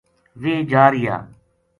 ویہ جا رہیا